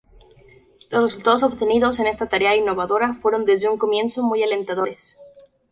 Los resultados obtenidos en esta tarea innovadora, fueron desde un comienzo muy alentadores.